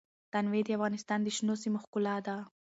تنوع د افغانستان د شنو سیمو ښکلا ده.